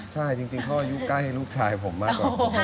ใช่จริงเท่าอายุใกล้ลูกชายผมมาก